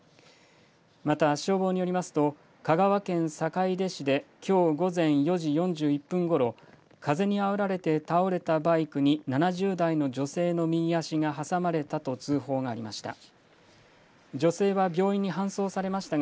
また消防によりますと香川県坂出市できょう午前４時４１分ごろ、風にあおられて倒れたバイクに７０代の女性の右足が挟まれたと通報がありました。